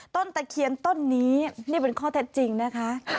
ตะเคียนต้นนี้นี่เป็นข้อเท็จจริงนะคะ